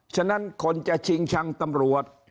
ฉะนั้นคนจะชิงชังตำรวจ